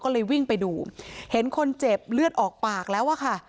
ก็เลยวิ่งไปดูเห็นคนเจ็บเลือดออกปากแล้วอะค่ะ